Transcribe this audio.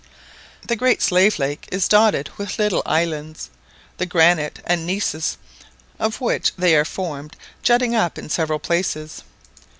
The Great Slave Lake is dotted with little islands, the granite and gneiss of which they are formed jutting up in several places.